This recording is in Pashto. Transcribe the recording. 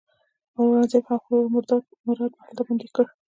اورنګزېب هم خپل ورور مراد هلته بندي کړ.